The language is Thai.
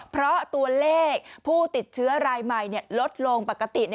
เพราะตัวเลขผู้ติดเชื้อรายใหม่ลดลงปกติ